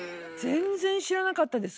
全然知らなかったです